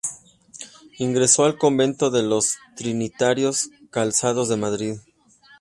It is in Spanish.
Ingresó al convento de los trinitarios calzados de Madrid.